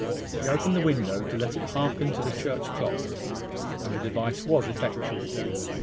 She opened the window to let it hearken to the church clock; and the device was effectual.